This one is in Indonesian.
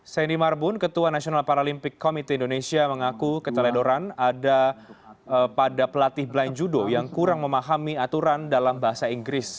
seni marbun ketua nasional paralimpik komite indonesia mengaku keteledoran ada pada pelatih blind judo yang kurang memahami aturan dalam bahasa inggris